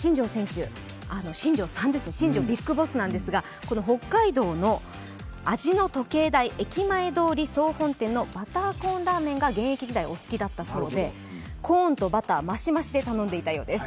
新庄ビッグボスなんですが、北海道の味の時計台、駅前通り総本店のバターコーンラーメンが現役時代お好きだったそうで、コーンとバター、増し増しで頼んでいたそうです。